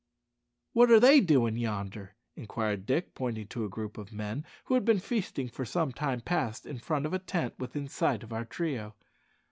"What are they doin' yonder?" inquired Dick, pointing to a group of men who had been feasting for some time past in front of a tent within sight of our trio.